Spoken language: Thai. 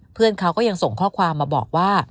เพื่อนเขาก็ยังส่งข้อความมาบอกว่า